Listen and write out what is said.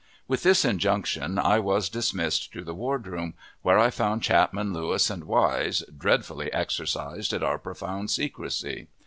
With this injunction I was dismissed to the wardroom, where I found Chapman, Lewis, and Wise, dreadfully exercised at our profound secrecy.